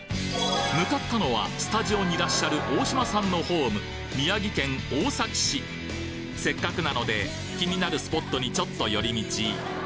向かったのはスタジオにいらっしゃる大島さんのホームせっかくなので気になるスポットにちょっと寄り道